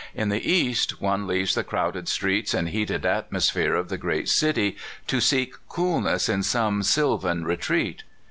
In the East, one leaves the crowded streets and heated atmosphere of the great city to seek coolness in some sylvan retreat.